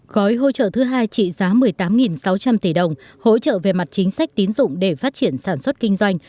gói hỗ trợ thứ hai trị giá một mươi tám sáu trăm linh tỷ đồng hỗ trợ về mặt chính sách tín dụng để phát triển sản xuất kinh doanh